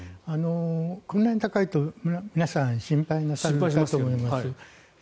こんなに高いと皆さん心配なさるかと思います。